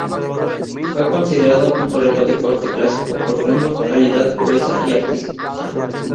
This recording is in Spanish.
Fue considerado un torero de corte clásico, profundo, calidad, pureza y artista.